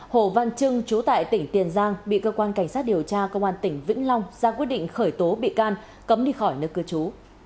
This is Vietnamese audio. hồ văn trưng chú tại tỉnh tiền giang bị cơ quan cảnh sát điều tra công an tỉnh vĩnh long ra quyết định khởi tố bị can cấm đi khỏi nơi cư trú